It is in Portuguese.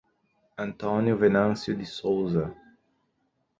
Antônio Venancio de Souza